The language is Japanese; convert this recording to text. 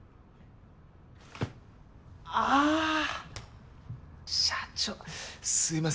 あぁ社長すいません